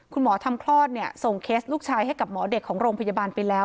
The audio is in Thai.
คุณหมอทำคลอดส่งเคสลูกชายให้กับหมอเด็กของโรงพยาบาลไปแล้ว